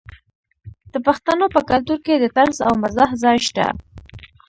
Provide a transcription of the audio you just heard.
د پښتنو په کلتور کې د طنز او مزاح ځای شته.